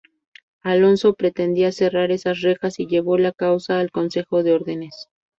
Alonso pretendía cerrar esas rejas y llevó la causa al consejo de Órdenes.